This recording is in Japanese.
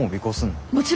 もちろんよ。